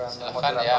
silahkan ya mas agus